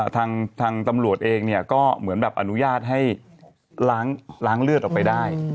ทางตำรวจเองเนี่ยก็เหมือนแบบอนุญาตให้ล้างเลือดออกไปได้